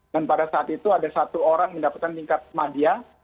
dan pada saat itu ada satu orang mendapatkan tingkat madya